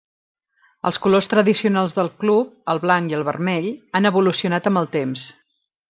Els colors tradicionals del club, el blanc i el vermell, han evolucionat amb el temps.